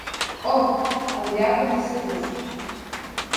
Коҳ, абри акәын исыгыз?